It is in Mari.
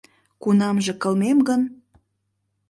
— Кунамже кылмем гын...